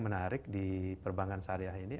menarik di perbankan syariah ini